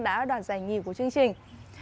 đã đoạt giải nghỉ của chương trình